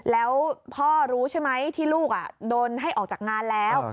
แล้วพ่อรู้ใช่ไหมที่ลูกโดนให้ออกจากงานแล้ว